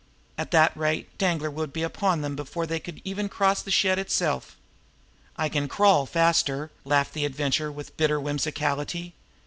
At that rate Danglar would be upon them before they could even cross the shed itself. "I can crawl faster," laughed the Adventurer with bitter whimsicality.